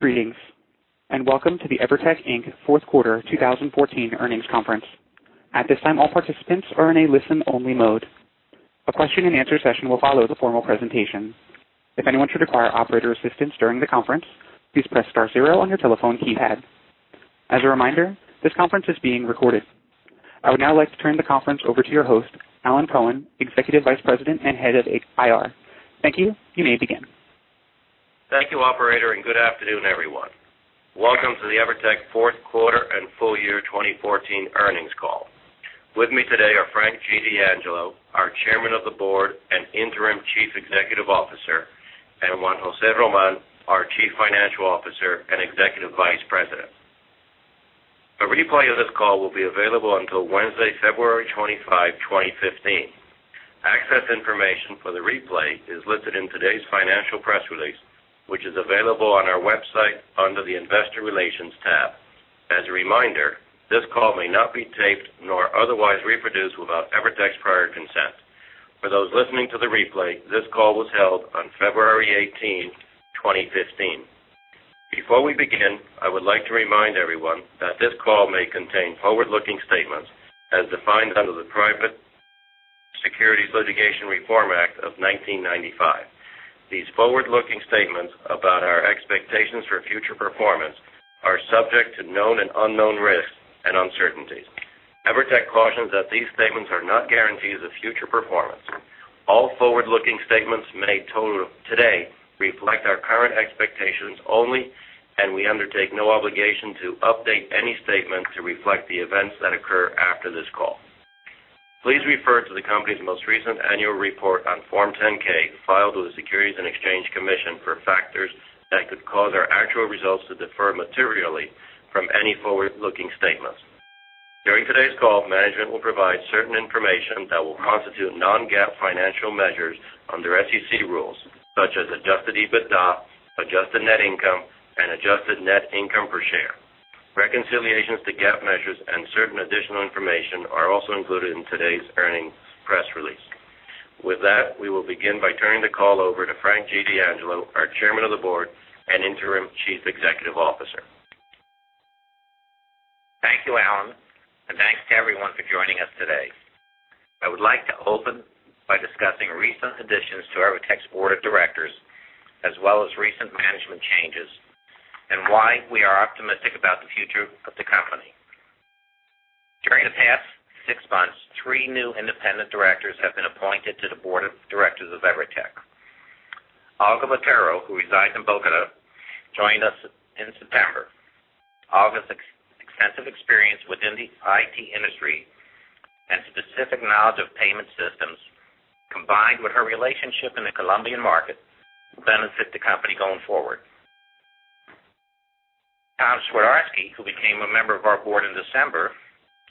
Greetings. Welcome to the EVERTEC, Inc. fourth quarter 2014 earnings conference. At this time, all participants are in a listen-only mode. A question and answer session will follow the formal presentation. If anyone should require operator assistance during the conference, please press star zero on your telephone keypad. As a reminder, this conference is being recorded. I would now like to turn the conference over to your host, Luis Cabrera, Executive Vice President and Head of IR. Thank you. You may begin. Thank you, operator. Good afternoon, everyone. Welcome to the EVERTEC fourth quarter and full year 2014 earnings call. With me today are Frank D'Angelo, our Chairman of the Board and Interim Chief Executive Officer, and Juan José Román, our Chief Financial Officer and Executive Vice President. A replay of this call will be available until Wednesday, February 25, 2015. Access information for the replay is listed in today's financial press release, which is available on our website under the investor relations tab. As a reminder, this call may not be taped nor otherwise reproduced without EVERTEC's prior consent. For those listening to the replay, this call was held on February 18, 2015. Before we begin, I would like to remind everyone that this call may contain forward-looking statements as defined under the Private Securities Litigation Reform Act of 1995. These forward-looking statements about our expectations for future performance are subject to known and unknown risks and uncertainties. EVERTEC cautions that these statements are not guarantees of future performance. All forward-looking statements made today reflect our current expectations only. We undertake no obligation to update any statement to reflect the events that occur after this call. Please refer to the company's most recent annual report on Form 10-K filed with the Securities and Exchange Commission for factors that could cause our actual results to differ materially from any forward-looking statements. During today's call, management will provide certain information that will constitute non-GAAP financial measures under SEC rules, such as adjusted EBITDA, adjusted net income, and adjusted net income per share. Reconciliations to GAAP measures and certain additional information are also included in today's earnings press release. With that, we will begin by turning the call over to Frank D'Angelo, our Chairman of the Board and Interim Chief Executive Officer. Thank you, Luis, and thanks to everyone for joining us today. I would like to open by discussing recent additions to EVERTEC's board of directors, as well as recent management changes and why we are optimistic about the future of the company. During the past six months, three new independent directors have been appointed to the board of directors of EVERTEC. Olga Botero, who resides in Bogotá, joined us in September. Olga's extensive experience within the IT industry and specific knowledge of payment systems, combined with her relationship in the Colombian market, will benefit the company going forward. Tom Swidarski, who became a member of our board in December,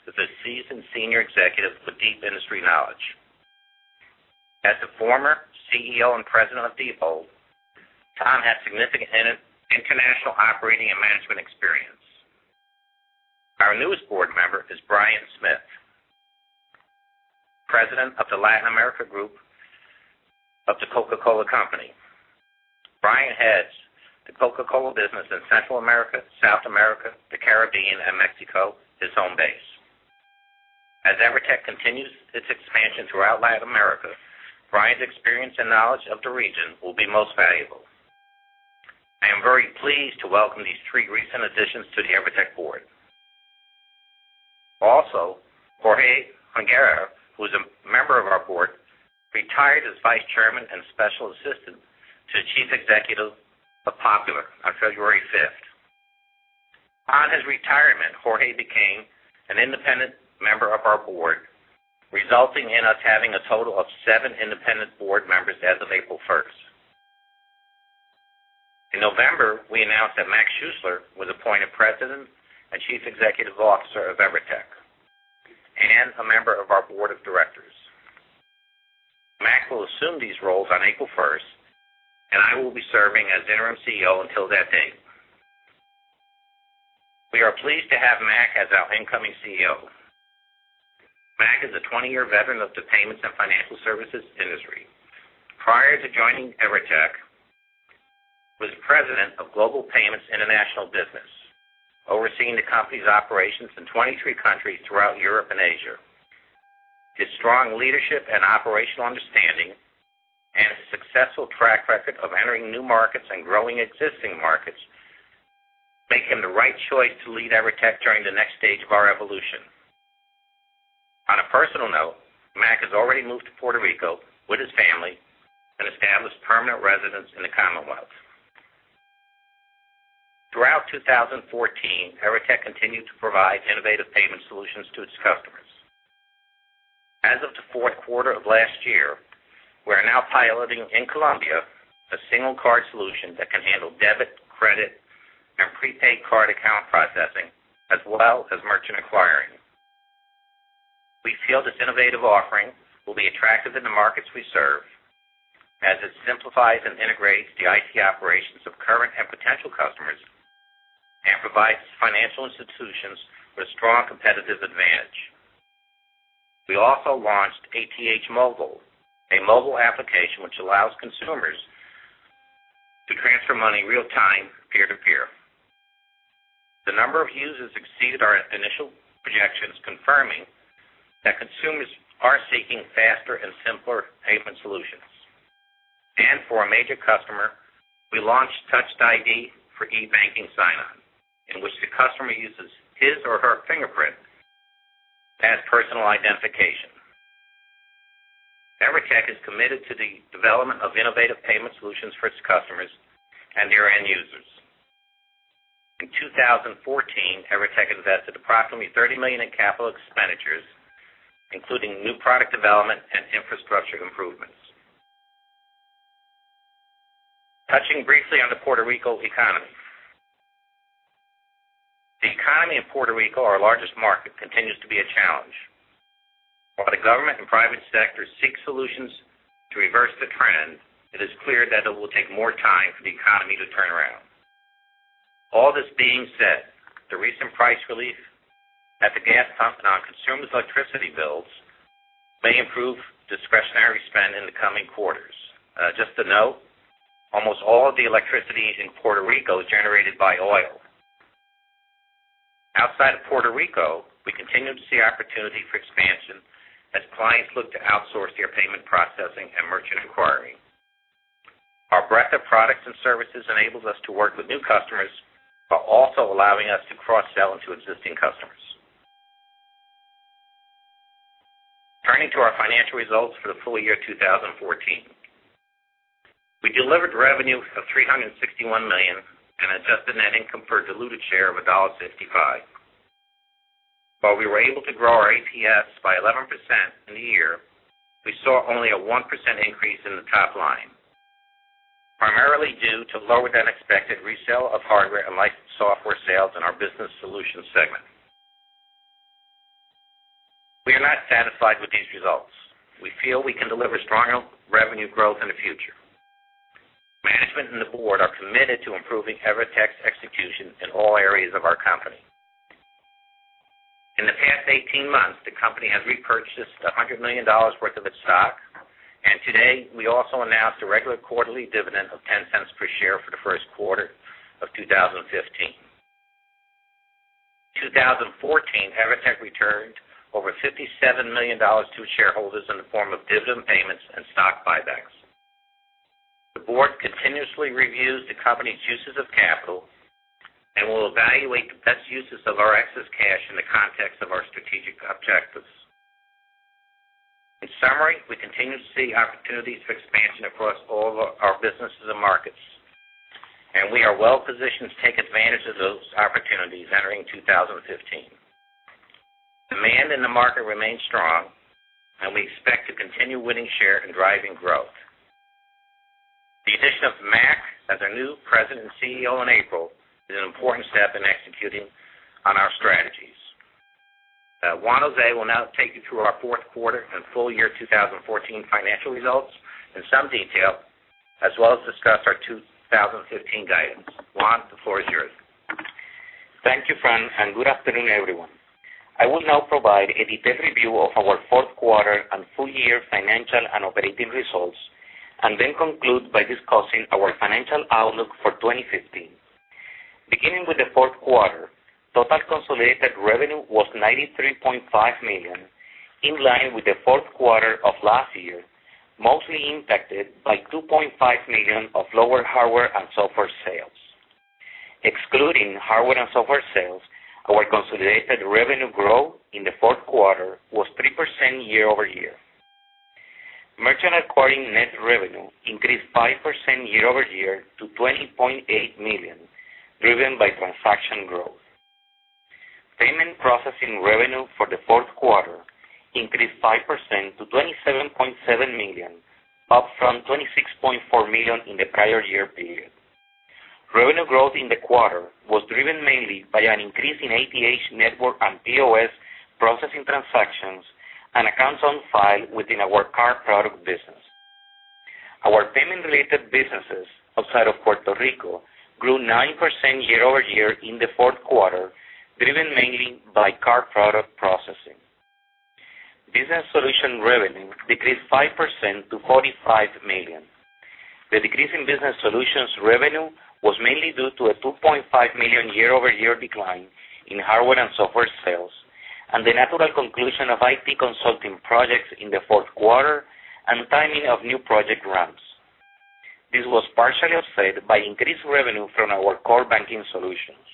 is a seasoned senior executive with deep industry knowledge. As the former CEO and President of Diebold, Tom has significant international operating and management experience. Our newest board member is Brian Smith, President of the Latin America group of The Coca-Cola Company. Brian heads The Coca-Cola Company business in Central America, South America, the Caribbean, and Mexico, his home base. As EVERTEC continues its expansion throughout Latin America, Brian's experience and knowledge of the region will be most valuable. I am very pleased to welcome these three recent additions to the EVERTEC board. Also, Jorge A. Junquera, who is a member of our board, retired as Vice Chairman and Special Assistant to the Chief Executive of Popular, Inc. on February 5. On his retirement, Jorge became an independent member of our board, resulting in us having a total of seven independent board members as of April 1. In November, we announced that Mac Schuessler was appointed President and Chief Executive Officer of EVERTEC and a member of our board of directors. Mac will assume these roles on April 1, I will be serving as interim CEO until that date. We are pleased to have Mac as our incoming CEO. Mac is a 20-year veteran of the payments and financial services industry. Prior to joining EVERTEC, Mac was President of Global Payments Inc. International Business, overseeing the company's operations in 23 countries throughout Europe and Asia. His strong leadership and operational understanding and his successful track record of entering new markets and growing existing markets make him the right choice to lead EVERTEC during the next stage of our evolution. On a personal note, Mac has already moved to Puerto Rico with his family and established permanent residence in the Commonwealth. Throughout 2014, EVERTEC continued to provide innovative payment solutions to its customers. As of the fourth quarter of last year, we are now piloting in Colombia a single card solution that can handle debit, credit, and prepaid card account processing, as well as merchant acquiring. We feel this innovative offering will be attractive in the markets we serve as it simplifies and integrates the IT operations of current and potential customers and provides financial institutions with a strong competitive advantage. We also launched ATH Móvil, a mobile application which allows consumers to transfer money real-time peer-to-peer. The number of users exceeded our initial projections, confirming that consumers are seeking faster and simpler payment solutions. For a major customer, we launched Touch ID for e-banking sign-on, in which the customer uses his or her fingerprint as personal identification. EVERTEC is committed to the development of innovative payment solutions for its customers and their end users. In 2014, EVERTEC invested approximately $30 million in capital expenditures, including new product development and infrastructure improvements. Touching briefly on the Puerto Rico economy. The economy of Puerto Rico, our largest market, continues to be a challenge. While the government and private sector seek solutions to reverse the trend, it is clear that it will take more time for the economy to turn around. All this being said, the recent price relief at the gas pump and on consumers' electricity bills may improve discretionary spend in the coming quarters. Just to note, almost all of the electricity in Puerto Rico is generated by oil. Outside of Puerto Rico, we continue to see opportunity for expansion as clients look to outsource their payment processing and merchant acquiring. Our breadth of products and services enables us to work with new customers, while also allowing us to cross-sell into existing customers. Turning to our financial results for the full year 2014. We delivered revenue of $361 million and adjusted net income per diluted share of $1.65. While we were able to grow our ATS by 11% in the year, we saw only a 1% increase in the top line, primarily due to lower-than-expected resale of hardware and licensed software sales in our business solutions segment. We are not satisfied with these results. We feel we can deliver stronger revenue growth in the future. Management and the board are committed to improving EVERTEC's execution in all areas of our company. In the past 18 months, the company has repurchased $100 million worth of its stock, and today, we also announced a regular quarterly dividend of $0.10 per share for the first quarter of 2015. In 2014, EVERTEC returned over $57 million to shareholders in the form of dividend payments and stock buybacks. The board continuously reviews the company's uses of capital and will evaluate the best uses of our excess cash in the context of our strategic objectives. In summary, we continue to see opportunities for expansion across all of our businesses and markets, and we are well-positioned to take advantage of those opportunities entering 2015. Demand in the market remains strong, and we expect to continue winning share and driving growth. The addition of Mac as our new President and CEO in April is an important step in executing on our strategies. Juan José will now take you through our fourth quarter and full year 2014 financial results in some detail, as well as discuss our 2015 guidance. Juan, the floor is yours. Thank you, Frank, and good afternoon, everyone. I will now provide a detailed review of our fourth quarter and full year financial and operating results, and then conclude by discussing our financial outlook for 2015. Beginning with the fourth quarter, total consolidated revenue was $93.5 million, in line with the fourth quarter of last year, mostly impacted by $2.5 million of lower hardware and software sales. Excluding hardware and software sales, our consolidated revenue growth in the fourth quarter was 3% year-over-year. Merchant acquiring net revenue increased 5% year-over-year to $20.8 million, driven by transaction growth. Payment processing revenue for the fourth quarter increased 5% to $27.7 million, up from $26.4 million in the prior year period. Revenue growth in the quarter was driven mainly by an increase in ATH network and POS processing transactions and accounts on file within our card product business. Our payment-related businesses outside of Puerto Rico grew 9% year-over-year in the fourth quarter, driven mainly by card product processing. Business solution revenue decreased 5% to $45 million. The decrease in business solutions revenue was mainly due to a $2.5 million year-over-year decline in hardware and software sales and the natural conclusion of IT consulting projects in the fourth quarter and timing of new project ramps. This was partially offset by increased revenue from our core banking solutions.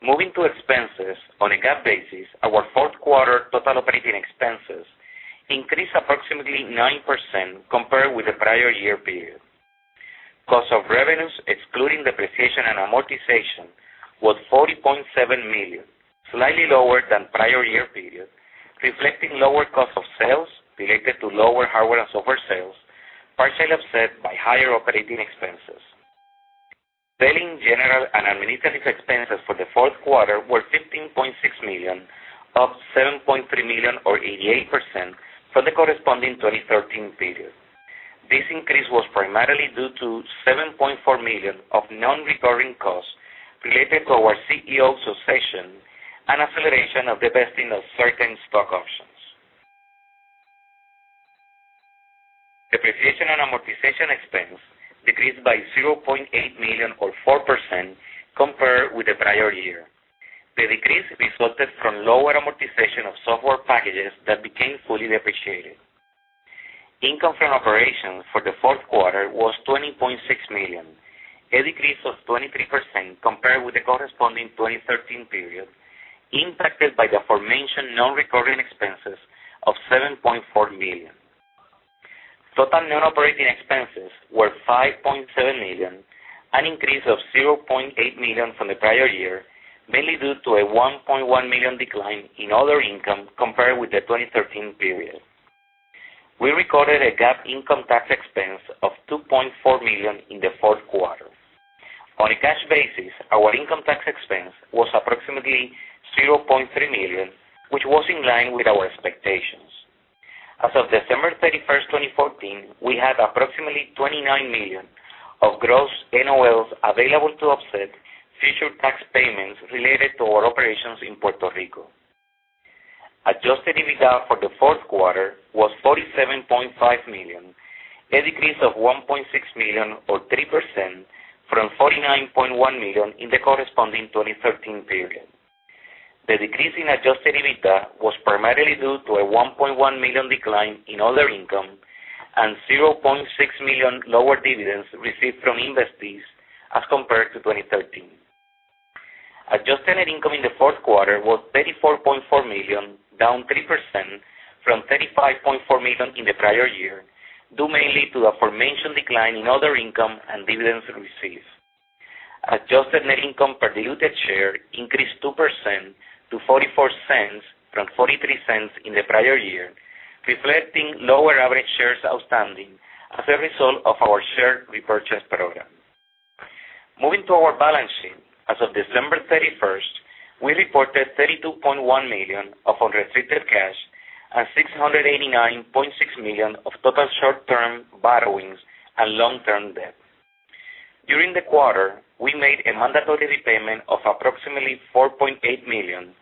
Moving to expenses. On a GAAP basis, our fourth quarter total operating expenses increased approximately 9% compared with the prior year period. Cost of revenues, excluding depreciation and amortization, was $40.7 million, slightly lower than prior year period, reflecting lower cost of sales related to lower hardware and software sales, partially offset by higher operating expenses. Selling, general, and administrative expenses for the fourth quarter were $15.6 million, up $7.3 million or 88% from the corresponding 2013 period. This increase was primarily due to $7.4 million of non-recurring costs related to our CEO succession and acceleration of the vesting of certain stock options. Depreciation and amortization expense decreased by $0.8 million, or 4%, compared with the prior year. The decrease resulted from lower amortization of software packages that became fully depreciated. Income from operations for the fourth quarter was $20.6 million, a decrease of 23% compared with the corresponding 2013 period, impacted by the aforementioned non-recurring expenses of $7.4 million. Total non-operating expenses were $5.7 million, an increase of $0.8 million from the prior year, mainly due to a $1.1 million decline in other income compared with the 2013 period. We recorded a GAAP income tax expense of $2.4 million in the fourth quarter. On a cash basis, our income tax expense was approximately $0.3 million, which was in line with our expectations. As of December 31st, 2014, we had approximately $29 million of gross NOLs available to offset future tax payments related to our operations in Puerto Rico. Adjusted EBITDA for the fourth quarter was $47.5 million, a decrease of $1.6 million, or 3%, from $49.1 million in the corresponding 2013 period. The decrease in Adjusted EBITDA was primarily due to a $1.1 million decline in other income and $0.6 million lower dividends received from investees as compared to 2013. Adjusted net income in the fourth quarter was $34.4 million, down 3% from $35.4 million in the prior year, due mainly to the aforementioned decline in other income and dividends received. Adjusted net income per diluted share increased 2% to $0.44 from $0.43 in the prior year, reflecting lower average shares outstanding as a result of our share repurchase program. Moving to our balance sheet. As of December 31st, we reported $32.1 million of unrestricted cash and $689.6 million of total short-term borrowings and long-term debt. During the quarter, we made a mandatory repayment of approximately $4.8 million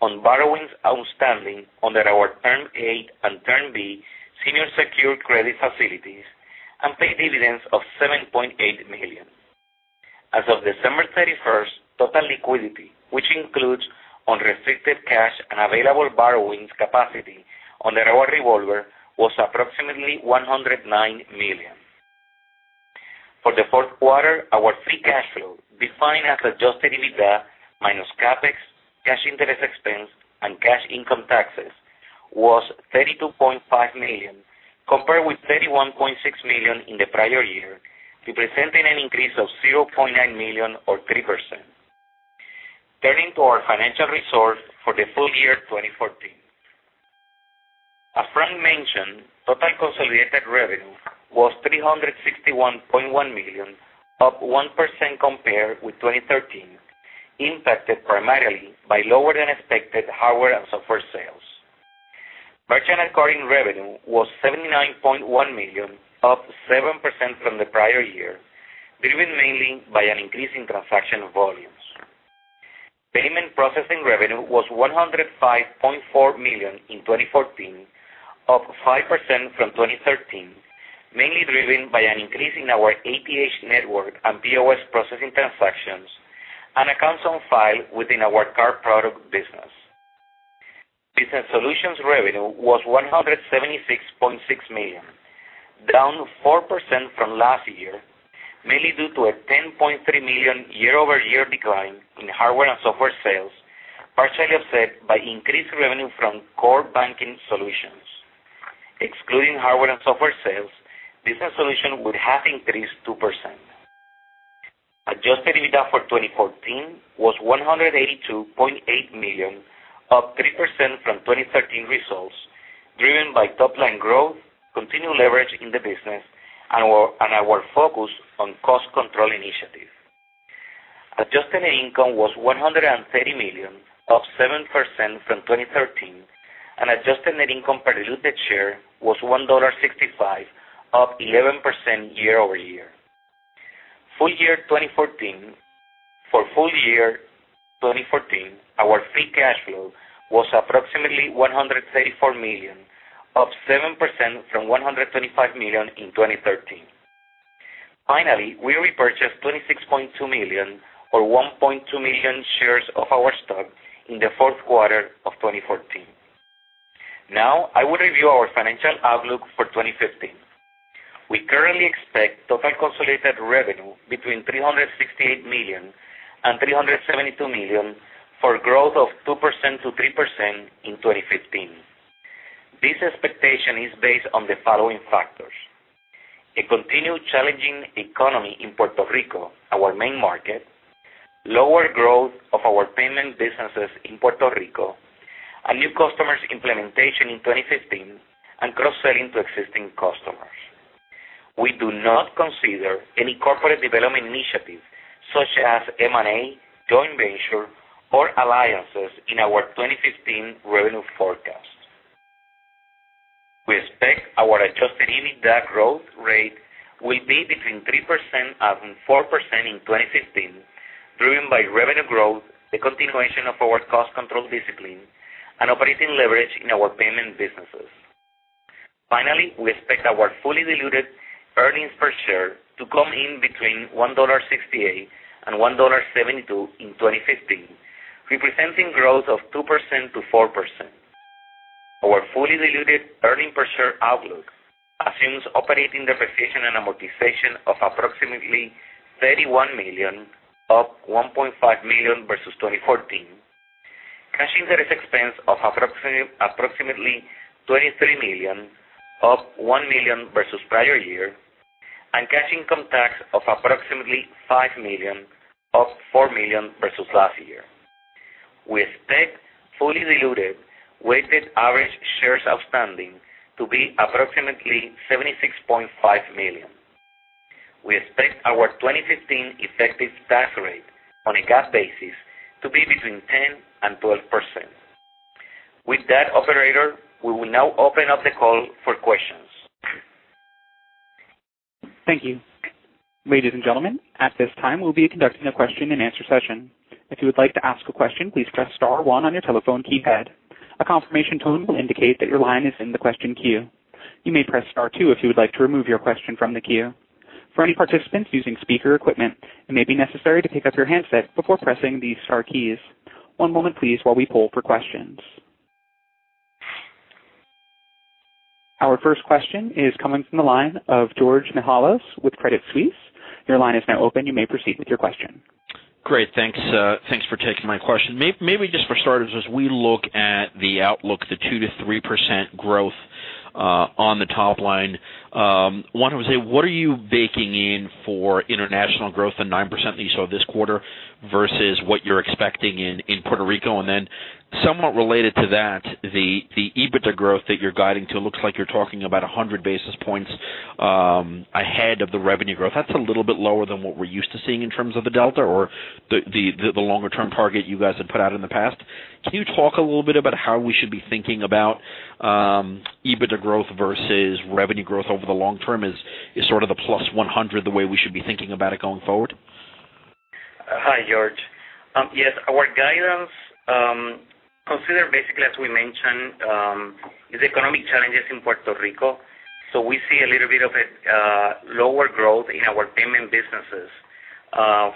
on borrowings outstanding under our Term A and Term B senior secured credit facilities and paid dividends of $7.8 million. As of December 31st, total liquidity, which includes unrestricted cash and available borrowings capacity under our revolver, was approximately $109 million. For the fourth quarter, our free cash flow, defined as Adjusted EBITDA minus CapEx, cash interest expense, and cash income taxes, was $32.5 million, compared with $31.6 million in the prior year, representing an increase of $0.9 million or 3%. Turning to our financial results for the full year 2014. As Frank mentioned, total consolidated revenue was $361.1 million, up 1% compared with 2013, impacted primarily by lower-than-expected hardware and software sales. Merchant acquiring revenue was $79.1 million, up 7% from the prior year, driven mainly by an increase in transaction volumes. Payment processing revenue was $105.4 million in 2014, up 5% from 2013, mainly driven by an increase in our ATH network and POS processing transactions and accounts on file within our card product business. Business solutions revenue was $176.6 million, down 4% from last year, mainly due to a $10.3 million year-over-year decline in hardware and software sales, partially offset by increased revenue from core banking solutions. Excluding hardware and software sales, business solution would have increased 2%. Adjusted EBITDA for 2014 was $182.8 million, up 3% from 2013 results, driven by top-line growth, continued leverage in the business, and our focus on cost control initiatives. Adjusted net income was $130 million, up 7% from 2013, and adjusted net income per diluted share was $1.65, up 11% year-over-year. For full year 2014, our free cash flow was approximately $134 million, up 7% from $125 million in 2013. Finally, we repurchased $26.2 million or 1.2 million shares of our stock in the fourth quarter of 2014. Now, I will review our financial outlook for 2015. We currently expect total consolidated revenue between $368 million and $372 million, for growth of 2% to 3% in 2015. This expectation is based on the following factors. A continued challenging economy in Puerto Rico, our main market, lower growth of our payment businesses in Puerto Rico, and new customers implementation in 2015 and cross-selling to existing customers. We do not consider any corporate development initiatives such as M&A, joint venture, or alliances in our 2015 revenue forecast. We expect our adjusted EBITDA growth rate will be between 3% and 4% in 2015, driven by revenue growth, the continuation of our cost control discipline, and operating leverage in our payment businesses. Finally, we expect our fully diluted earnings per share to come in between $1.68 and $1.72 in 2015, representing growth of 2% to 4%. Our fully diluted earnings per share outlook assumes operating depreciation and amortization of approximately $31 million, up $1.5 million versus 2014, cash interest expense of approximately $23 million, up $1 million versus the prior year, and cash income tax of approximately $5 million, up $4 million versus last year. We expect fully diluted weighted average shares outstanding to be approximately 76.5 million. We expect our 2015 effective tax rate on a GAAP basis to be between 10% and 12%. With that, operator, we will now open up the call for questions. Thank you. Ladies and gentlemen, at this time, we'll be conducting a question-and-answer session. If you would like to ask a question, please press *1 on your telephone keypad. A confirmation tone will indicate that your line is in the question queue. You may press *2 if you would like to remove your question from the queue. For any participants using speaker equipment, it may be necessary to pick up your handset before pressing the star keys. One moment please, while we poll for questions. Our first question is coming from the line of Georgios Mihalos with Credit Suisse. Your line is now open. You may proceed with your question. Great. Thanks for taking my question. Maybe just for starters, as we look at the outlook, the 2%-3% growth on the top line, I want to say, what are you baking in for international growth, the 9% that you saw this quarter, versus what you're expecting in Puerto Rico? Somewhat related to that, the EBITDA growth that you're guiding to looks like you're talking about 100 basis points ahead of the revenue growth. That's a little bit lower than what we're used to seeing in terms of the delta or the longer-term target you guys had put out in the past. Can you talk a little bit about how we should be thinking about EBITDA growth versus revenue growth over the long term? Is sort of the plus 100 the way we should be thinking about it going forward? Hi, George. Yes, our guidance consider basically, as we mentioned, the economic challenges in Puerto Rico. We see a little bit of a lower growth in our payment businesses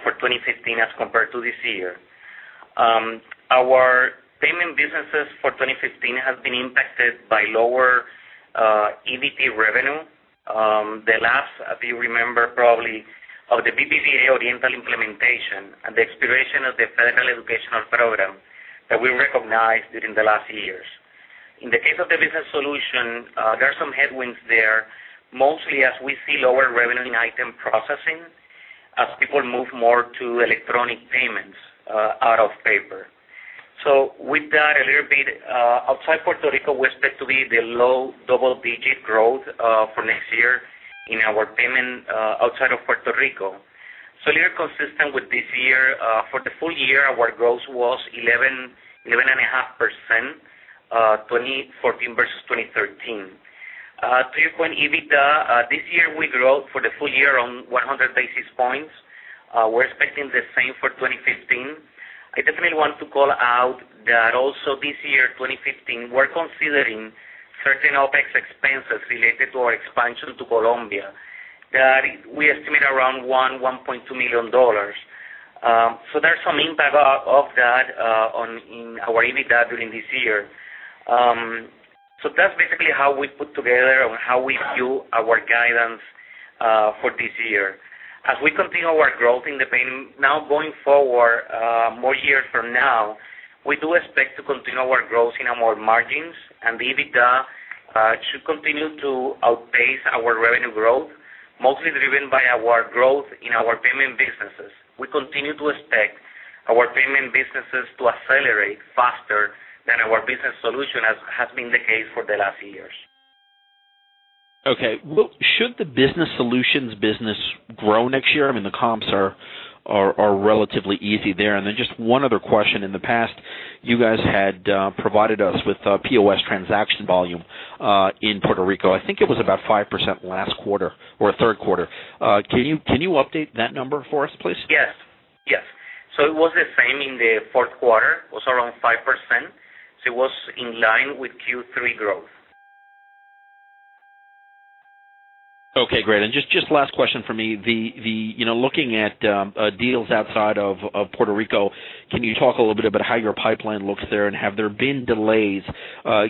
for 2015 as compared to this year. Our payment businesses for 2015 have been impacted by lower EBT revenue. The lapse, if you remember probably, of the BBVA Oriental implementation and the expiration of the federal educational program that we recognized during the last years. In the case of the business solution, there are some headwinds there, mostly as we see lower revenue in item processing as people move more to electronic payments out of paper. With that, a little bit outside Puerto Rico, we expect to be the low double-digit growth for next year in our payment outside of Puerto Rico. A little consistent with this year. For the full year, our growth was 11.5%, 2014 versus 2013. To your point, EBITDA, this year we grew for the full year on 100 basis points. We're expecting the same for 2015. I definitely want to call out that also this year, 2015, we're considering certain OpEx expenses related to our expansion to Colombia that we estimate around $1 million, $1.2 million. There's some impact of that in our EBITDA during this year. That's basically how we put together or how we view our guidance for this year. As we continue our growth in the payment now going forward more years from now, we do expect to continue our growth in our margins, and the EBITDA should continue to outpace our revenue growth, mostly driven by our growth in our payment businesses. We continue to expect our payment businesses to accelerate faster than our business solution, as has been the case for the last years. Okay. Should the business solutions business grow next year? I mean, the comps are relatively easy there. Just one other question. In the past, you guys had provided us with POS transaction volume in Puerto Rico. I think it was about 5% last quarter or third quarter. Can you update that number for us, please? Yes. It was the same in the fourth quarter, it was around 5%, so it was in line with Q3 growth. Okay, great. Just last question from me. Looking at deals outside of Puerto Rico, can you talk a little bit about how your pipeline looks there? Have there been delays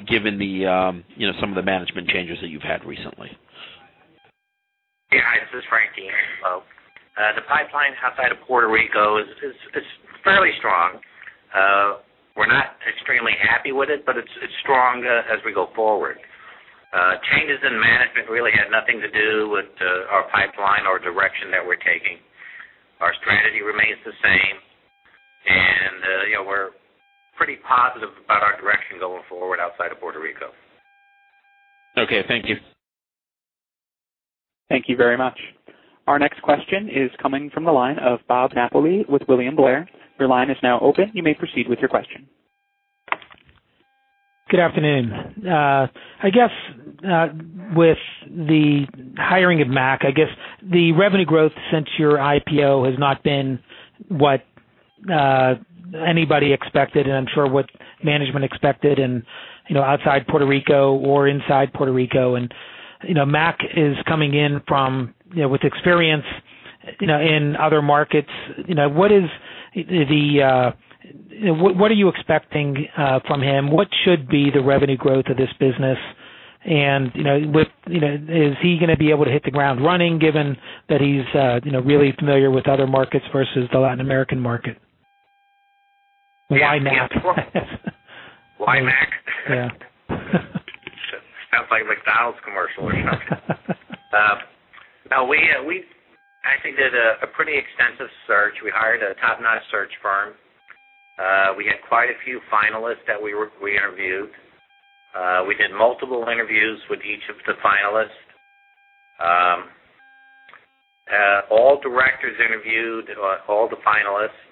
given some of the management changes that you've had recently? Yeah. This is Frank D'Angelo. The pipeline outside of Puerto Rico is fairly strong. We're not extremely happy with it, but it's strong as we go forward. Changes in management really had nothing to do with our pipeline or direction that we're taking. Our strategy remains the same Be positive about our direction going forward outside of Puerto Rico. Okay, thank you. Thank you very much. Our next question is coming from the line of Robert Napoli with William Blair. Your line is now open. You may proceed with your question. Good afternoon. I guess, with the hiring of Mac, I guess the revenue growth since your IPO has not been what anybody expected, and I'm sure what management expected, outside Puerto Rico or inside Puerto Rico. Mac is coming in with experience in other markets. What are you expecting from him? What should be the revenue growth of this business? Is he going to be able to hit the ground running given that he's really familiar with other markets versus the Latin American market? Why Mac? Why Mac? Yeah. Sounds like a McDonald's commercial or something. We actually did a pretty extensive search. We hired a top-notch search firm. We had quite a few finalists that we interviewed. We did multiple interviews with each of the finalists. All directors interviewed all the finalists.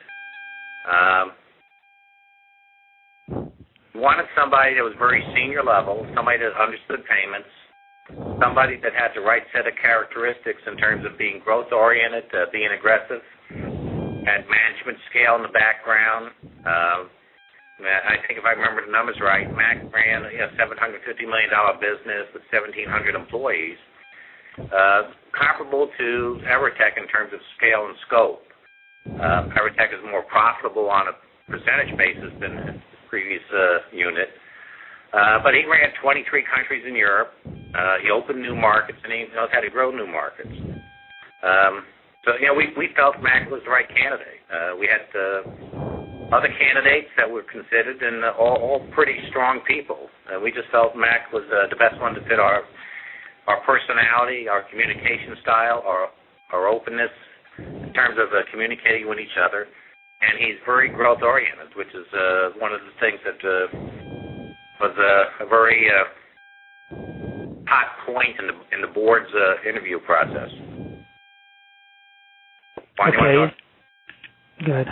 Wanted somebody that was very senior level, somebody that understood payments, somebody that had the right set of characteristics in terms of being growth-oriented, being aggressive, had management scale in the background. I think if I remember the numbers right, Mac ran a $750 million business with 1,700 employees, comparable to EVERTEC, Inc. in terms of scale and scope. EVERTEC, Inc. is more profitable on a percentage basis than his previous unit. He ran 23 countries in Europe. He opened new markets, and he knows how to grow new markets. Yeah, we felt Mac was the right candidate. We had other candidates that were considered, and all pretty strong people. We just felt Mac was the best one to fit our personality, our communication style, our openness in terms of communicating with each other. He's very growth-oriented, which is one of the things that was a very hot point in the board's interview process. Okay. Good.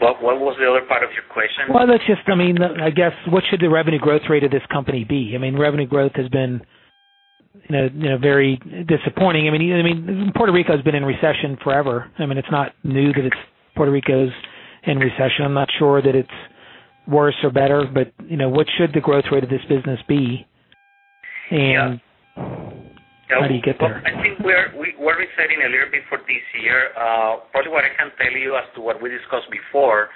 What was the other part of your question? Well, that's just, I guess, what should the revenue growth rate of this company be? Revenue growth has been very disappointing. Puerto Rico's been in recession forever. It's not new that Puerto Rico's in recession. I'm not sure that it's worse or better, but what should the growth rate of this business be? How do you get there? I think we're resetting a little bit for this year. Part of what I can tell you as to what we discussed before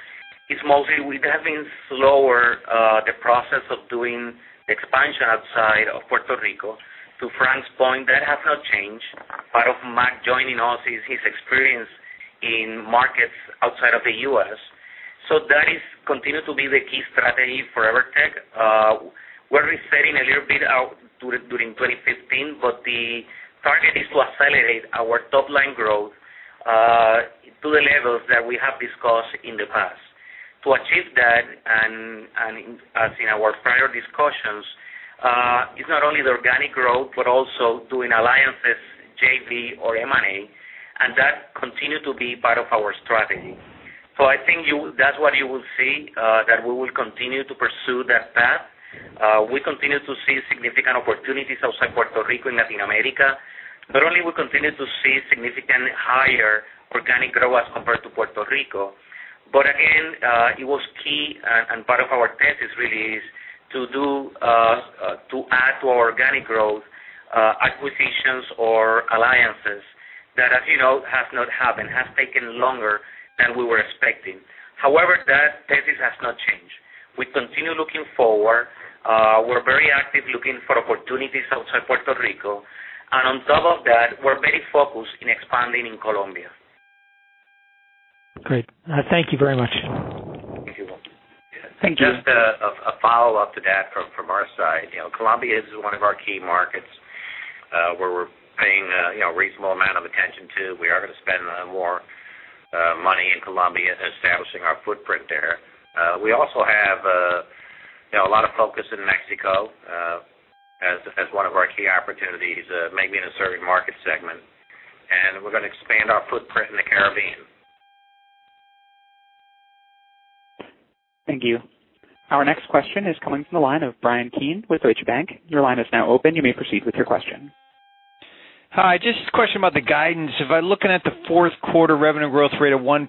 is mostly we have been slower, the process of doing expansion outside of Puerto Rico. To Frank's point, that has not changed. Part of Mac joining us is his experience in markets outside of the U.S. That has continued to be the key strategy for EVERTEC. We're resetting a little bit during 2015, but the target is to accelerate our top-line growth to the levels that we have discussed in the past. To achieve that, and as in our prior discussions, it's not only the organic growth, but also doing alliances, JV or M&A, and that continue to be part of our strategy. I think that's what you will see, that we will continue to pursue that path. We continue to see significant opportunities outside Puerto Rico and Latin America. Not only we continue to see significantly higher organic growth as compared to Puerto Rico, again, it was key and part of our thesis really is to add to our organic growth, acquisitions or alliances that, as you know, has not happened, has taken longer than we were expecting. However, that thesis has not changed. We continue looking forward. We're very active looking for opportunities outside Puerto Rico. On top of that, we're very focused in expanding in Colombia. Great. Thank you very much. Thank you. Thank you. Just a follow-up to that from our side. Colombia is one of our key markets, where we're paying a reasonable amount of attention to. We are going to spend more money in Colombia establishing our footprint there. We also have a lot of focus in Mexico as one of our key opportunities, maybe in a serving market segment. We're going to expand our footprint in the Caribbean. Thank you. Our next question is coming from the line of Bryan Keane with Deutsche Bank. Your line is now open. You may proceed with your question. Hi, just a question about the guidance. If I'm looking at the fourth quarter revenue growth rate of 1%,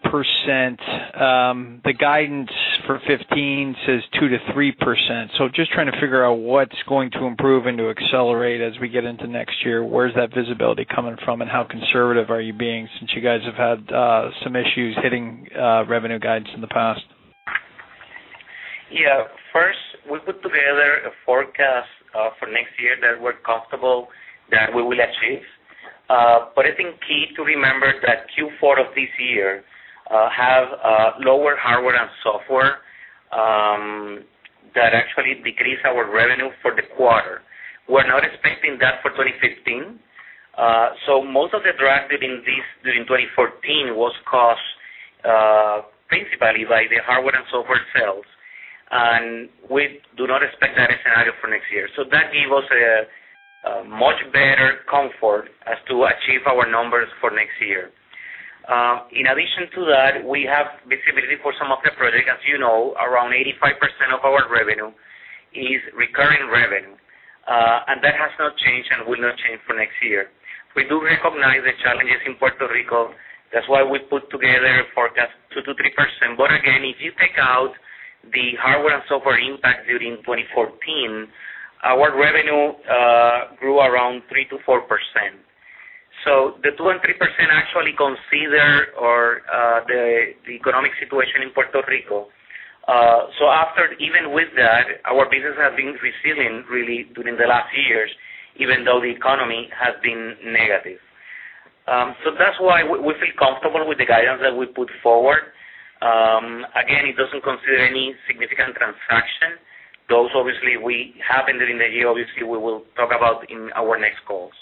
the guidance for 2015 says 2% to 3%. Just trying to figure out what's going to improve and to accelerate as we get into next year. Where's that visibility coming from, and how conservative are you being since you guys have had some issues hitting revenue guidance in the past? Yeah. First, we put together a forecast for next year that we're comfortable that we will achieve. I think key to remember that Q4 of this year have lower hardware. That actually decreased our revenue for the quarter. We're not expecting that for 2015. Most of the drag during 2014 was caused basically by the hardware and software sales, and we do not expect that scenario for next year. That gave us a much better comfort as to achieve our numbers for next year. In addition to that, we have visibility for some of the projects. As you know, around 85% of our revenue is recurring revenue. That has not changed and will not change for next year. We do recognize the challenges in Puerto Rico. That's why we put together a forecast 2% to 3%. Again, if you take out the hardware and software impact during 2014, our revenue grew around 3%-4%. The 2% and 3% actually consider the economic situation in Puerto Rico. Even with that, our business has been resilient really during the last years, even though the economy has been negative. That's why we feel comfortable with the guidance that we put forward. Again, it doesn't consider any significant transaction. Those obviously we have in the year, obviously we will talk about in our next calls.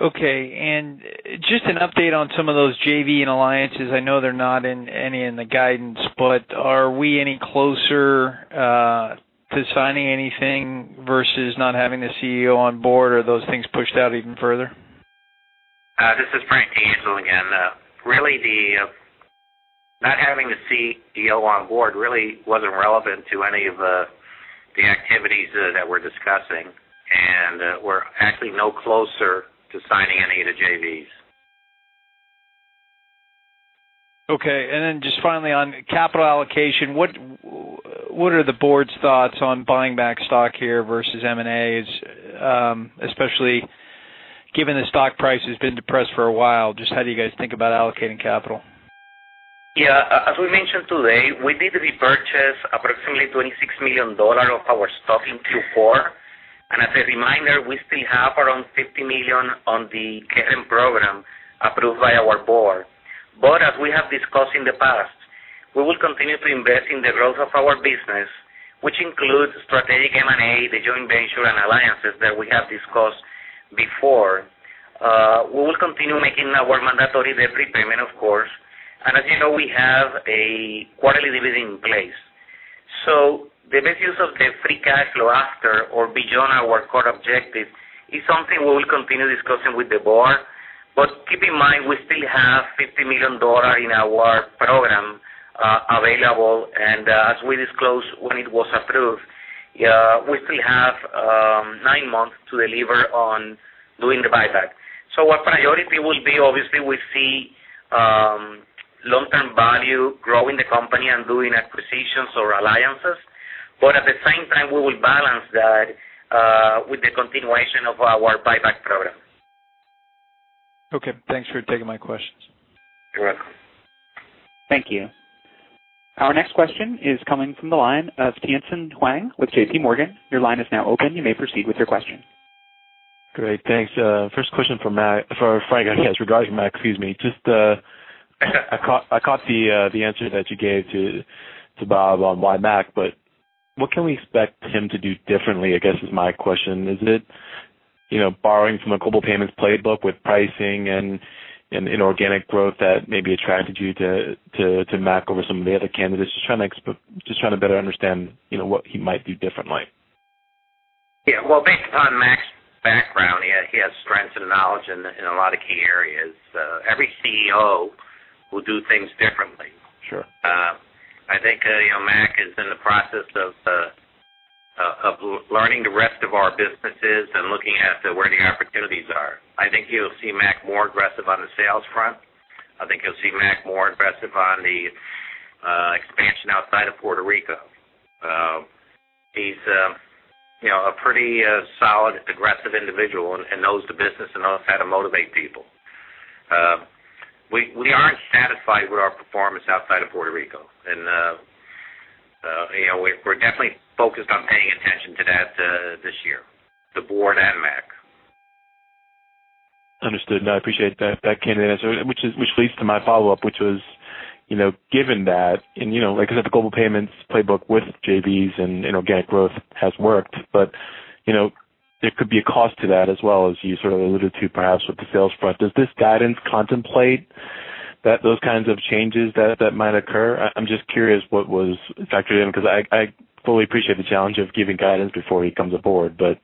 Okay. Just an update on some of those JV and alliances. I know they're not in any in the guidance, but are we any closer to signing anything versus not having the CEO on board? Are those things pushed out even further? This is Frank D'Angelo again. Not having a CEO on board really wasn't relevant to any of the activities that we're discussing. We're actually no closer to signing any of the JVs. Okay. Then just finally on capital allocation, what are the board's thoughts on buying back stock here versus M&As, especially given the stock price has been depressed for a while? Just how do you guys think about allocating capital? Yeah. As we mentioned today, we did repurchase approximately $26 million of our stock in Q4. As a reminder, we still have around $50 million on the current program approved by our board. As we have discussed in the past, we will continue to invest in the growth of our business, which includes strategic M&A, the joint venture, and alliances that we have discussed before. We will continue making our mandatory debt prepayment, of course. As you know, we have a quarterly dividend in place. The best use of the free cash flow after or beyond our core objective is something we will continue discussing with the board. Keep in mind, we still have $50 million in our program available. As we disclosed when it was approved, we still have nine months to deliver on doing the buyback. Our priority will be obviously we see long-term value growing the company and doing acquisitions or alliances. At the same time, we will balance that with the continuation of our buyback program. Okay. Thanks for taking my questions. You're welcome. Thank you. Our next question is coming from the line of Tien-tsin Huang with JPMorgan. Your line is now open. You may proceed with your question. Great. Thanks. First question for Frank, I guess, regarding Mac. I caught the answer that you gave to Bob on why Mac, what can we expect him to do differently, I guess is my question. Is it borrowing from a Global Payments playbook with pricing and inorganic growth that maybe attracted you to Mac over some of the other candidates? Just trying to better understand what he might do differently. Yeah. Well, based upon Mac's background, he has strengths and knowledge in a lot of key areas. Every CEO will do things differently. Sure. I think Mac is in the process of learning the rest of our businesses and looking at where the opportunities are. I think you'll see Mac more aggressive on the sales front. I think you'll see Mac more aggressive on the expansion outside of Puerto Rico. He's a pretty solid, aggressive individual and knows the business and knows how to motivate people. We aren't satisfied with our performance outside of Puerto Rico, we're definitely focused on paying attention to that this year, the board and Mac. Understood. I appreciate that candid answer, which leads to my follow-up, which was, given that, like I said, the Global Payments playbook with JVs and organic growth has worked, but there could be a cost to that as well, as you sort of alluded to perhaps with the sales front. Does this guidance contemplate those kinds of changes that might occur? I am just curious what was factored in, because I fully appreciate the challenge of giving guidance before he comes aboard, but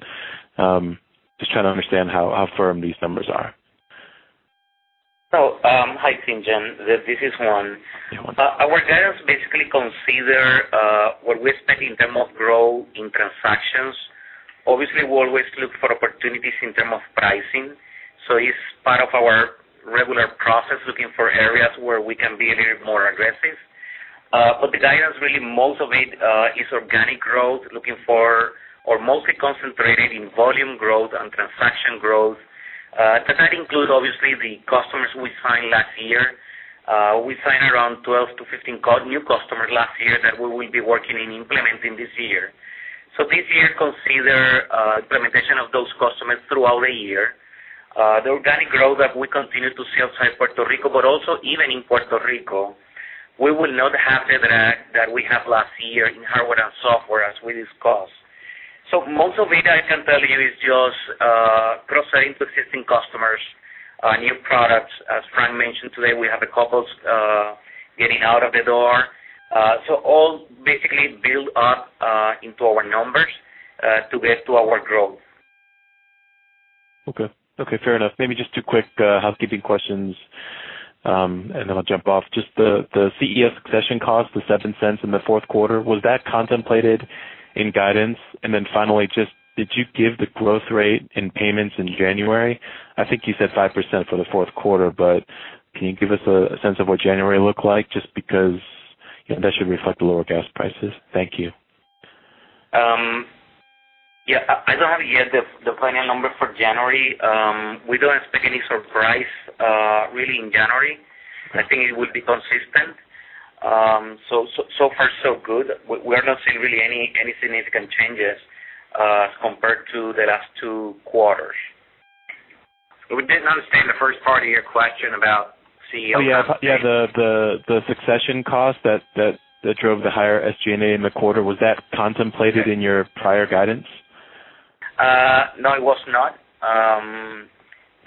just trying to understand how firm these numbers are. Hi, Tien-tsin. This is Juan. Juan. Our guidance basically consider what we expect in terms of growth in transactions. Obviously, we always look for opportunities in terms of pricing. It is part of our regular process, looking for areas where we can be a little more aggressive. The guidance really most of it is organic growth, looking for or mostly concentrated in volume growth and transaction growth. That includes obviously the customers we signed last year. We signed around 12 to 15 new customers last year that we will be working in implementing this year. This year consider implementation of those customers throughout the year. The organic growth that we continue to see outside Puerto Rico, but also even in Puerto Rico, we will not have the drag that we had last year in hardware and software as we discussed. Most of it I can tell you is just cross-selling to existing customers, new products. As Frank mentioned today, we have a couple getting out of the door. All basically build up into our numbers to get to our growth. Okay. Fair enough. Maybe just two quick housekeeping questions, then I'll jump off. Just the CEO succession cost, the $0.07 in the fourth quarter. Was that contemplated in guidance? Finally, did you give the growth rate in payments in January? I think you said 5% for the fourth quarter, but can you give us a sense of what January looked like, just because that should reflect the lower gas prices? Thank you. Yeah. I don't have yet the final number for January. We don't expect any surprise really in January. I think it will be consistent. So far so good. We are not seeing really any significant changes compared to the last two quarters. We didn't understand the first part of your question about CEO compensation. Oh, yeah. The succession cost that drove the higher SG&A in the quarter. Was that contemplated in your prior guidance? No, it was not.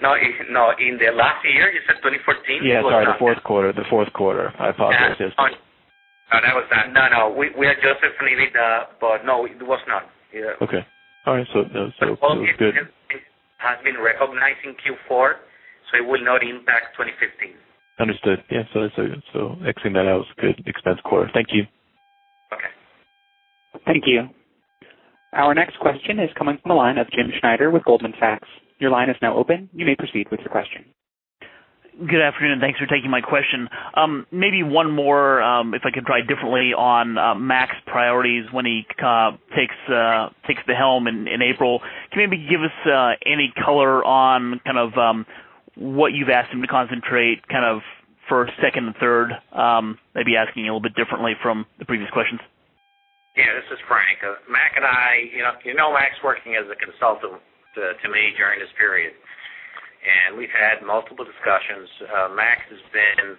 No, in the last year, you said 2014? Yeah, sorry, the fourth quarter. I apologize. No, no. We adjusted for it, but no, it was not. Yeah. Okay. All right. So, good. It has been recognized in Q4, so it will not impact 2015. Understood. Yeah. X-ing that out is good. Expense quarter. Thank you. Okay. Thank you. Our next question is coming from the line of James Schneider with Goldman Sachs. Your line is now open. You may proceed with your question. Good afternoon. Thanks for taking my question. Maybe one more, if I could try differently on Mac priorities when he takes the helm in April. Can you maybe give us any color on what you've asked him to concentrate first, second, and third? Maybe asking a little bit differently from the previous questions. Yeah, this is Frank. You know Mac working as a consultant to me during this period. We've had multiple discussions. Mac has been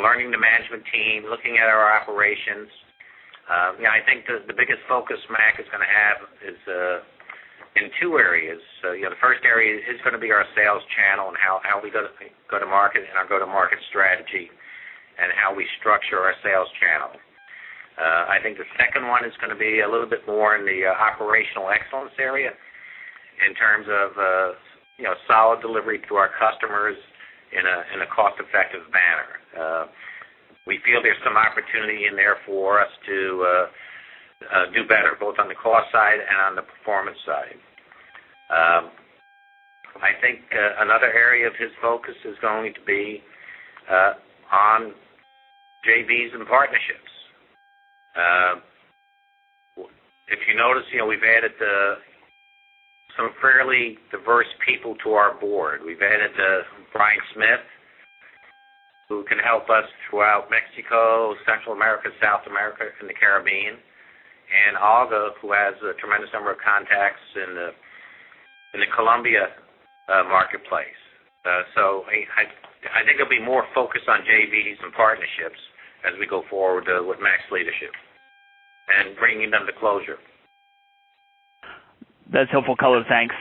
learning the management team, looking at our operations. I think the biggest focus Mac is going to have is in two areas. The first area is going to be our sales channel and how we go to market and our go-to-market strategy and how we structure our sales channel. I think the second one is going to be a little bit more in the operational excellence area in terms of solid delivery to our customers in a cost-effective manner. We feel there's some opportunity in there for us to do better, both on the cost side and on the performance side. I think another area of his focus is going to be on JVs and partnerships. If you notice, we've added some fairly diverse people to our board. We've added Brian Smith, who can help us throughout Mexico, Central America, South America, and the Caribbean, and Olga, who has a tremendous number of contacts in the Colombia marketplace. I think it'll be more focused on JVs and partnerships as we go forward with Mac leadership and bringing them to closure. That's helpful color. Thanks.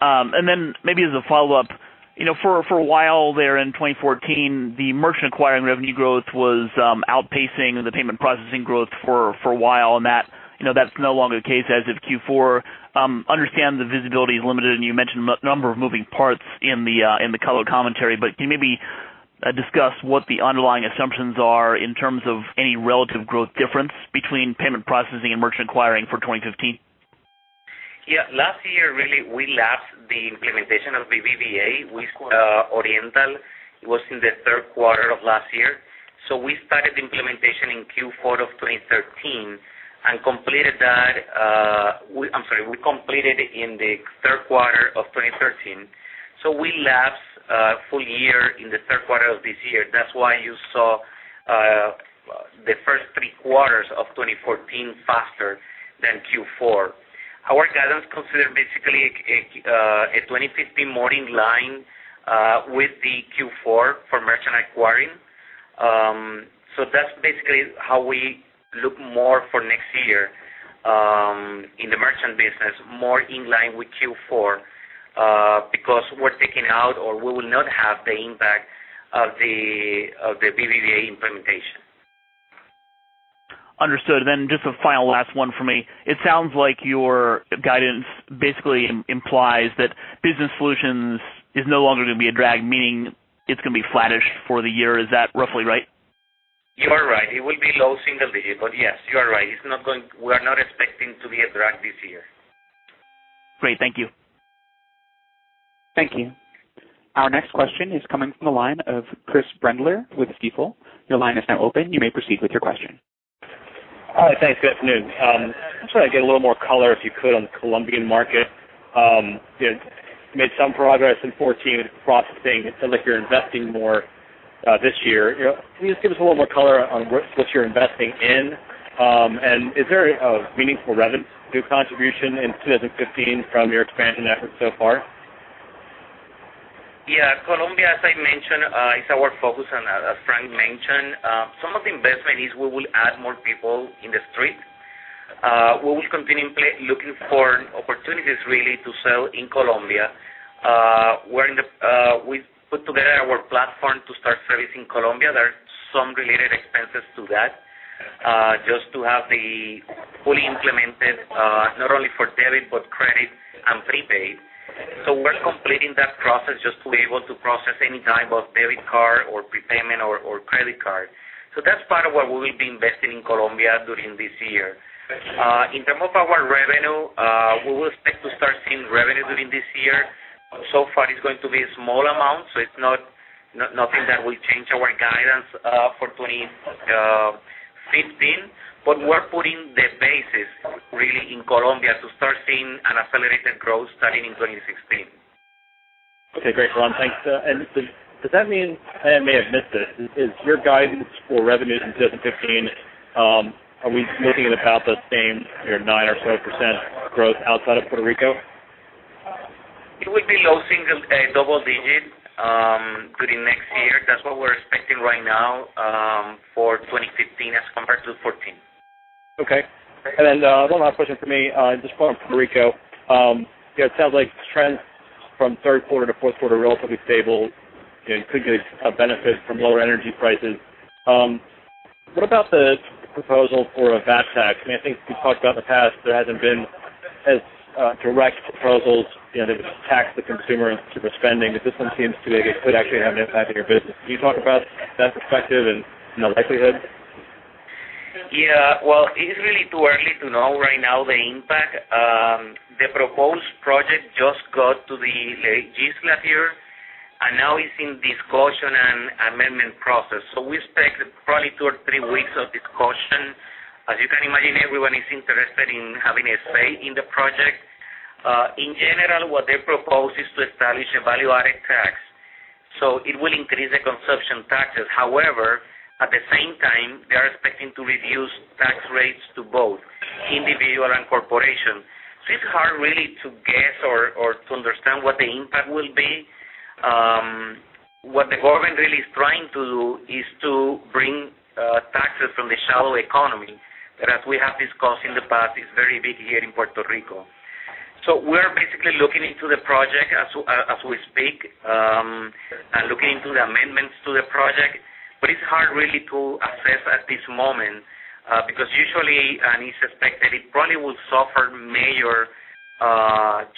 Then maybe as a follow-up, for a while there in 2014, the merchant acquiring revenue growth was outpacing the payment processing growth for a while, and that's no longer the case as of Q4. Understand the visibility is limited, and you mentioned a number of moving parts in the color commentary, but can you maybe discuss what the underlying assumptions are in terms of any relative growth difference between payment processing and merchant acquiring for 2015? Yeah. Last year, really, we lapsed the implementation of BBVA with Oriental. It was in the third quarter of last year. We started implementation in Q4 of 2013 and we completed it in the third quarter of 2013. We lapsed a full year in the third quarter of this year. That's why you saw the first three quarters of 2014 faster than Q4. Our guidance considered basically a 2015 more in line with the Q4 for merchant acquiring. That's basically how we look more for next year in the merchant business, more in line with Q4 because we're taking out or we will not have the impact of the BBVA implementation. Understood. Just a final last one for me. It sounds like your guidance basically implies that Business Solutions is no longer going to be a drag, meaning it's going to be flattish for the year. Is that roughly right? You are right. It will be low single digit. Yes, you are right. We are not expecting to be a drag this year. Great. Thank you. Thank you. Our next question is coming from the line of Chris Brendler with Stifel. Your line is now open. You may proceed with your question. All right. Thanks. Good afternoon. I'm just trying to get a little more color, if you could, on the Colombian market. You made some progress in 2014 with processing. It sounds like you're investing more this year. Can you just give us a little more color on what you're investing in? Is there a meaningful revenue contribution in 2015 from your expansion efforts so far? Yeah, Colombia, as I mentioned, is our focus and as Frank mentioned, some of the investment is, we will add more people in the street. We will continue looking for opportunities really to sell in Colombia. We put together our platform to start servicing Colombia. There are some related expenses to that, just to have the fully implemented, not only for debit but credit and prepaid. We're completing that process just to be able to process any type of debit card or prepayment or credit card. That's part of what we will be investing in Colombia during this year. In terms of our revenue, we will expect to start seeing revenue during this year. So far it's going to be a small amount. It's nothing that will change our guidance for 2015. We're putting the basis really in Colombia to start seeing an accelerated growth starting in 2016. Okay, great, Juan. Thanks. Does that mean, I may have missed it, is your guidance for revenues in 2015, are we looking at about the same 9% or so growth outside of Puerto Rico? It will be low double digits during next year. That's what we're expecting right now, for 2015 as compared to 2014. Okay. One last question from me, just following Puerto Rico. It sounds like trends from third quarter to fourth quarter, relatively stable. Could get a benefit from lower energy prices. What about the proposal for a VAT tax? I think you talked about in the past, there hasn't been as direct proposals, to just tax the consumer into overspending, but this one seems to be it could actually have an impact on your business. Can you talk about that perspective and the likelihood? Yeah. Well, it is really too early to know right now the impact. The proposed project just got to the legislature, and now is in discussion and amendment process. We expect probably two or three weeks of discussion. As you can imagine, everyone is interested in having a say in the project. In general, what they propose is to establish a value-added tax, so it will increase the consumption taxes. However, at the same time, they are expecting to reduce tax rates to both individual and corporation. It's hard really to guess or to understand what the impact will be. What the government really is trying to do is to bring taxes from the shadow economy that, as we have discussed in the past, is very big here in Puerto Rico. We're basically looking into the project as we speak, and looking into the amendments to the project. It's hard really to assess at this moment, because usually, and is expected, it probably will suffer major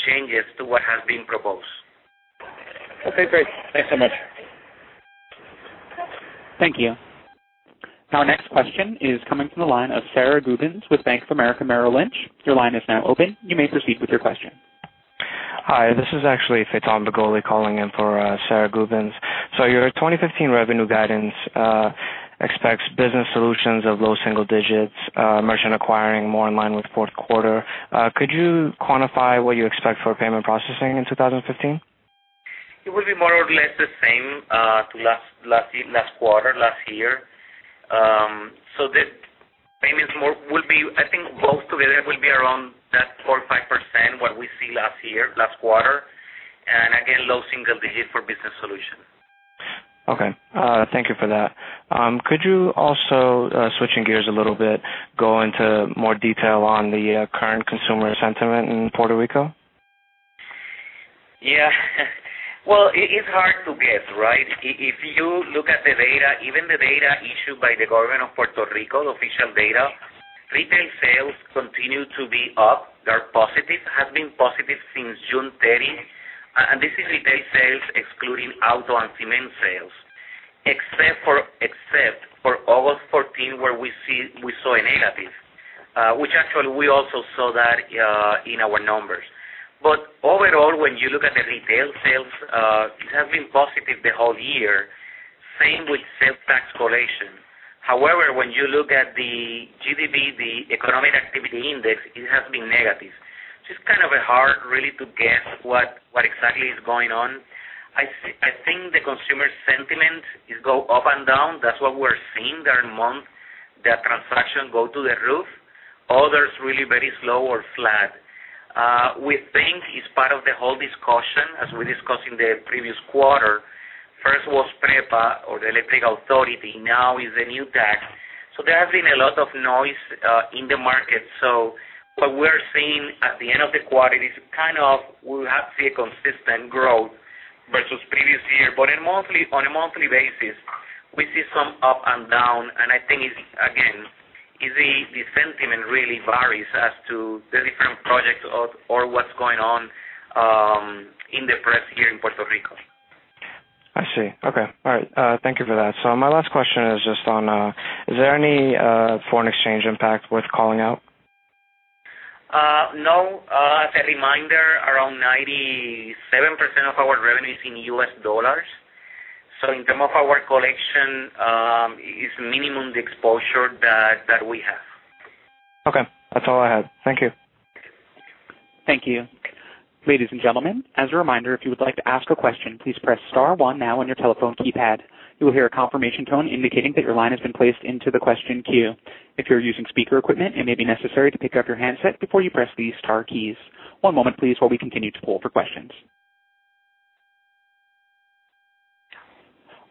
changes to what has been proposed. Okay, great. Thanks so much. Thank you. Our next question is coming from the line of Sara Gubins with Bank of America Merrill Lynch. Your line is now open. You may proceed with your question. Hi, this is actually Faton Begolli calling in for Sara Gubins. Your 2015 revenue guidance expects business solutions of low single digits, merchant acquiring more in line with fourth quarter. Could you quantify what you expect for payment processing in 2015? It will be more or less the same to last quarter, last year. The payments more will be, I think both together will be around that 4% or 5%, what we see last year, last quarter, and again, low single digit for business solution. Okay. Thank you for that. Could you also, switching gears a little bit, go into more detail on the current consumer sentiment in Puerto Rico? Yeah. Well, it is hard to get, right? If you look at the data, even the data issued by the government of Puerto Rico, the official data, retail sales continue to be up. They are positive, have been positive since June 30. This is retail sales excluding auto and cement sales, except for August 2014, where we saw a negative, which actually we also saw that in our numbers. Overall, when you look at the retail sales, it has been positive the whole year. Same with sales tax collection. However, when you look at the GDP, the economic activity index, it has been negative. It's kind of hard really to guess what exactly is going on. I think the consumer sentiment go up and down. That's what we're seeing. There are month that transaction go through the roof, others really very slow or flat. We think it's part of the whole discussion, as we discussed in the previous quarter. First was PREPA or the electric authority, now is the new tax. There has been a lot of noise in the market. What we're seeing at the end of the quarter is kind of we have seen consistent growth versus previous year. On a monthly basis, we see some up and down, and I think it's, again, is the sentiment really varies as to the different projects or what's going on in the press here in Puerto Rico. I see. Okay. All right. Thank you for that. My last question is just on, is there any foreign exchange impact worth calling out? No. As a reminder, around 97% of our revenue is in U.S. dollars. In terms of our collection, it's minimum the exposure that we have. Okay. That's all I had. Thank you. Thank you. Ladies and gentlemen, as a reminder, if you would like to ask a question, please press star one now on your telephone keypad. You will hear a confirmation tone indicating that your line has been placed into the question queue. If you're using speaker equipment, it may be necessary to pick up your handset before you press the star keys. One moment please, while we continue to poll for questions.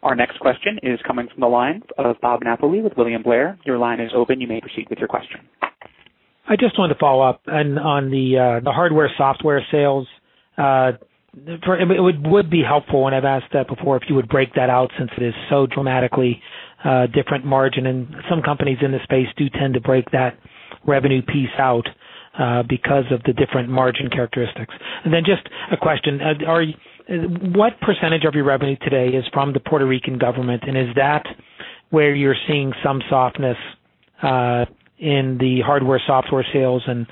Our next question is coming from the line of Robert Napoli with William Blair. Your line is open. You may proceed with your question. I just wanted to follow up on the hardware-software sales. It would be helpful, and I've asked that before, if you would break that out since it is so dramatically different margin, and some companies in this space do tend to break that revenue piece out because of the different margin characteristics. Just a question. What percentage of your revenue today is from the Puerto Rican government, and is that where you're seeing some softness in the hardware-software sales, and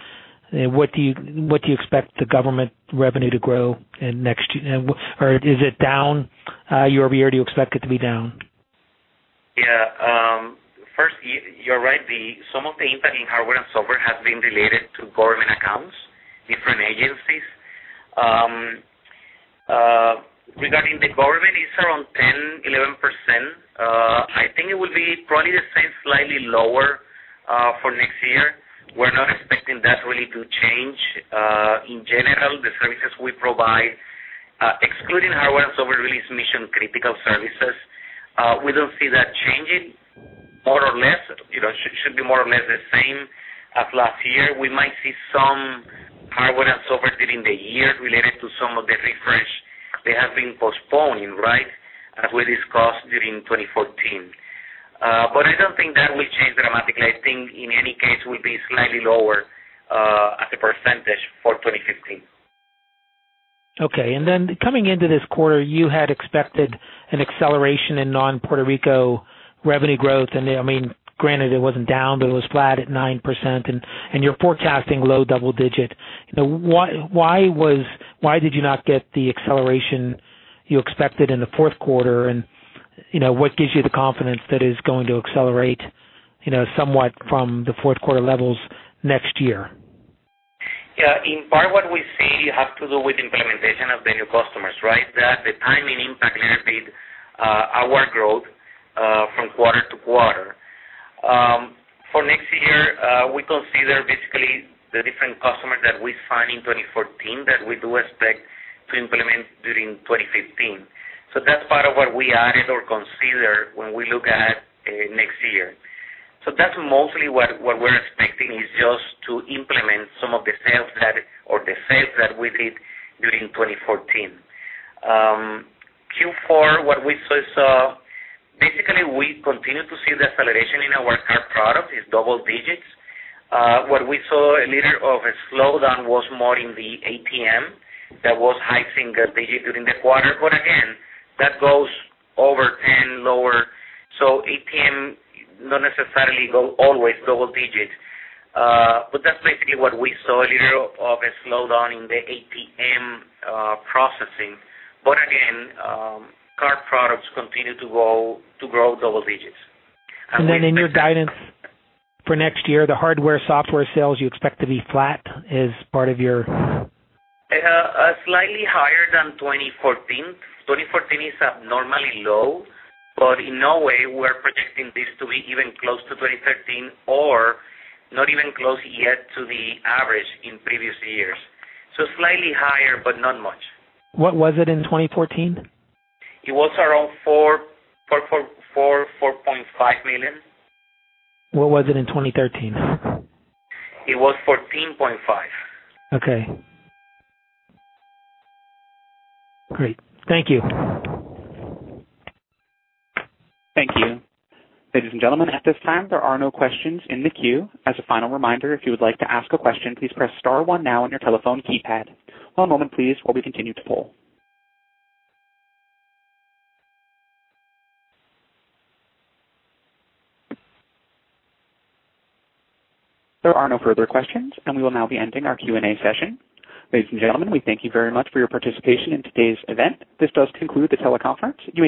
what do you expect the government revenue to grow next year? Or is it down year-over-year? Do you expect it to be down? Yeah. First, you're right. Some of the impact in hardware and software has been related to government accounts, different agencies. Regarding the government, it's around 10%-11%. I think it will be probably the same, slightly lower for next year. We're not expecting that really to change. In general, the services we provide, excluding hardware and software release mission-critical services, we don't see that changing. It should be more or less the same as last year. We might see some hardware and software during the year related to some of the refresh that have been postponed, right, as we discussed during 2014. I don't think that will change dramatically. I think, in any case, will be slightly lower as a percentage for 2015. Okay. Coming into this quarter, you had expected an acceleration in non-Puerto Rico revenue growth, and granted it wasn't down, but it was flat at 9%, and you're forecasting low double digit. Why did you not get the acceleration you expected in the fourth quarter, and what gives you the confidence that it's going to accelerate somewhat from the fourth quarter levels next year? Yeah, in part, what we see has to do with implementation of the new customers, right? The timing impact limited our growth from quarter to quarter. For next year, we consider basically the different customers that we sign in 2014 that we do expect to implement during 2015. That's part of what we added or consider when we look at next year. That's mostly what we're expecting is just to implement some of the sales that we did during 2014. Q4, what we saw, basically, we continue to see the acceleration in our card product is double digits. What we saw a little of a slowdown was more in the ATM that was high single digit during the quarter. Again, that goes over 10 lower. ATM not necessarily go always double digits. That's basically what we saw, a little of a slowdown in the ATM processing. Again, card products continue to grow double digits. In your guidance for next year, the hardware-software sales you expect to be flat as part of. Slightly higher than 2014. 2014 is abnormally low, but in no way we're projecting this to be even close to 2013 or not even close yet to the average in previous years. Slightly higher, but not much. What was it in 2014? It was around four, $4.5 million. What was it in 2013? It was 14.5. Okay. Great. Thank you. Thank you. Ladies and gentlemen, at this time, there are no questions in the queue. As a final reminder, if you would like to ask a question, please press star one now on your telephone keypad. One moment please while we continue to pull. There are no further questions, and we will now be ending our Q&A session. Ladies and gentlemen, we thank you very much for your participation in today's event. This does conclude the teleconference. You may